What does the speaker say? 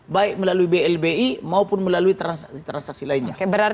baik melalui blbi maupun melalui transaksi transaksi lainnya